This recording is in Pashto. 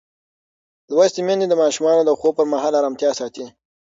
لوستې میندې د ماشومانو د خوب پر مهال ارامتیا ساتي.